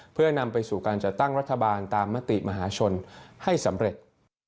เพื่อนำไปสู่การจัดตั้งรัฐบาลตามมติมหาชนให้สำเร็จ